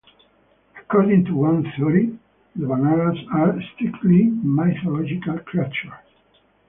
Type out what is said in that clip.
According to one theory, the Vanaras are strictly mythological creatures.